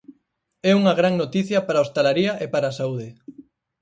É unha gran noticia para a hostalaría e para a saúde.